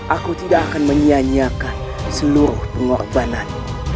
aku tidak akan menyianyikan seluruh pengorbanan